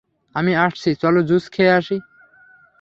আমি আসছি, চলো জুস খেয়ে আসি।